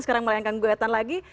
sekarang melayangkan gugatan lagi